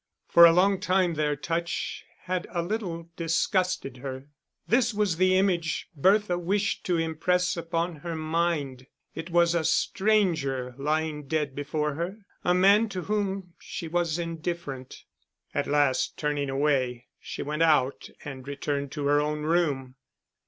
For a long time their touch had a little disgusted her. This was the image Bertha wished to impress upon her mind. It was a stranger lying dead before her, a man to whom she was indifferent. At last turning away, she went out and returned to her own room.